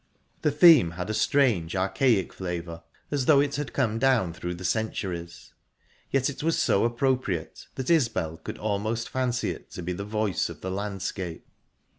The theme had a strange, archaic flavour, as though it had come down through the centuries, yet it was so appropriate that Isbel could almost fancy it to be the voice of the landscape.